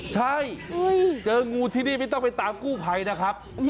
ใช่เจองูที่นี่ไม่ต้องไปตามกู้ภัยนะครับ